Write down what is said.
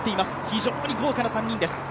非常に豪華な３人です。